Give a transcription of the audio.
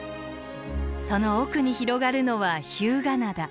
その奥に広がるのは日向灘。